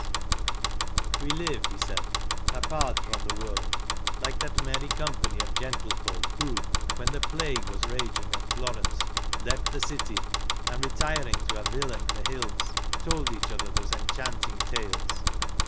22 THE LAST GENERATION " We live," he said, " apart from the world, like that merry company of gentlefolk who, when the plague was raging at Florence, left the city, and retiring to a villa in the hills, told each other those enchanting tales.